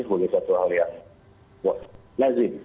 ini boleh satu hal yang lazim